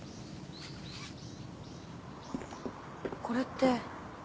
これって。